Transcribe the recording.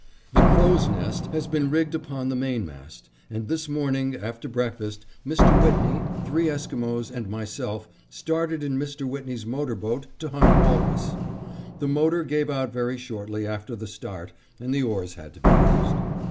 The "Crow's Nest" has been rigged upon the mainmast, and this morning, after breakfast, Mr. Whitney, three Esquimos, and myself started in Mr. Whitney's motor boat to hunt walrus. The motor gave out very shortly after the start, and the oars had to be used.